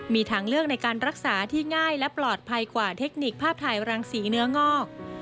มีทางเลือกในการรักษาที่ง่ายและปลอดภัยกว่าเทคนิคภาพถ่ายรังสีเนื้องอก